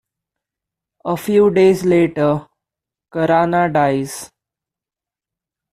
A few days later, Karana dies.